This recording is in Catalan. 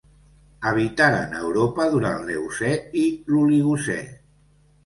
Habitaren Europa durant l'Eocè i l'Oligocè.